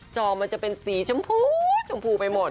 จอมันจะเป็นสีชมพูชมพูไปหมด